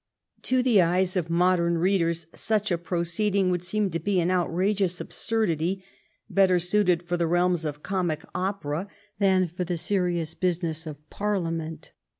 To the eyes of modem readers such a proceeding would seem to be an outrageous absurdity, better suited for the realms of comic opera than for the serious business of Parliament.